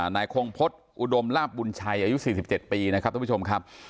นายคงพฤษอุดมลาบบุญชัยอายุ๔๗ปีนะครับท่านผู้ชมครับ